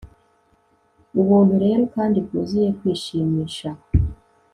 ubuntu rero kandi bwuzuye kwishimisha